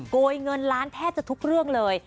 โกยเงินล้านแทบจะทุกเรื่องเลย